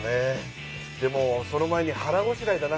でもその前にはらごしらえだな。